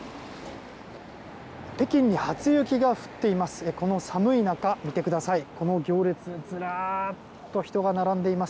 北京に初雪が降っています。